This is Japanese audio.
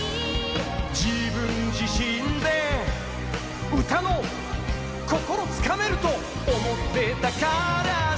「自分自身でうたの心をつかめるとおもってたからさ」